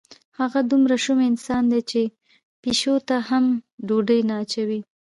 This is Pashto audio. هغه دومره شوم انسان دی چې پیشو ته هم ډوډۍ نه اچوي.